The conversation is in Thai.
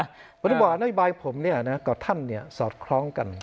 เมื่อที่บอกว่าน้อยบายผมกับท่านสอดคล้องกัน